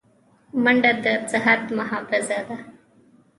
منډه د صحت محافظه ده